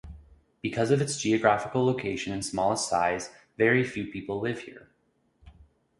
Because of its geographical location and smallest size, very few people live here.